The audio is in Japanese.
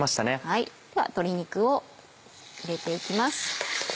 では鶏肉を入れて行きます。